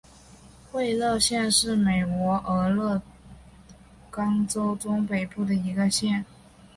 惠勒县是美国俄勒冈州中北部的一个县。